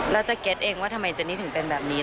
แล้วจะเก็ตเองว่าทำไมเจนี่ถึงเป็นแบบนี้